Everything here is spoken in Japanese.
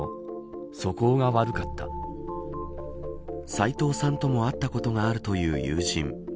斎藤さんとも会ったことがあるという友人。